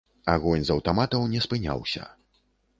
Агонь з аўтаматаў не спыняўся.